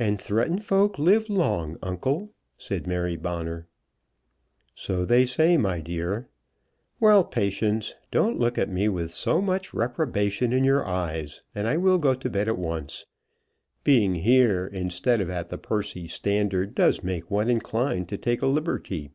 "And threatened folk live long, uncle," said Mary Bonner. "So they say, my dear. Well, Patience, don't look at me with so much reprobation in your eyes, and I will go to bed at once. Being here instead of at the Percy Standard does make one inclined to take a liberty."